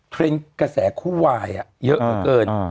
เทรนด์กระแสคู่วายอ่ะเยอะเกิน